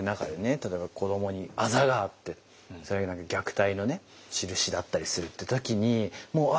例えば子どもにあざがあってそれが何か虐待のねしるしだったりするって時にもううわ！